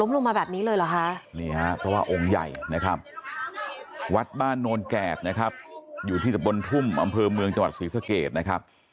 ล้มลงมาแบบนี้เลยเหรอคะ